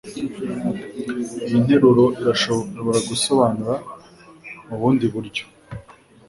Iyi nteruro irashobora gusobanurwa mubundi buryo.